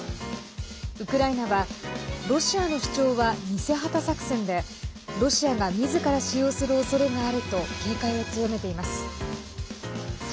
ウクライナはロシアの主張は偽旗作戦でロシアがみずから使用するおそれがあると警戒を強めています。